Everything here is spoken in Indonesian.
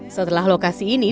setelah lokasi ini